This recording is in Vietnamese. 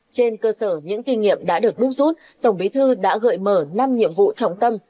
trên cơ sở những kinh nghiệm đã được đúc rút tổng bí thư đã gợi mở năm nhiệm vụ trọng tâm